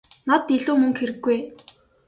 Надад илүү мөнгө хэрэггүй ээ.